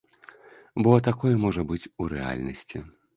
Бо такое можа быць у рэальнасці.